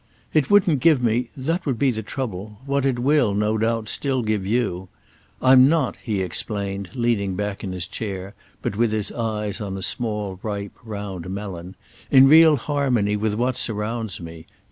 "It wouldn't give me—that would be the trouble—what it will, no doubt, still give you. I'm not," he explained, leaning back in his chair, but with his eyes on a small ripe round melon—"in real harmony with what surrounds me.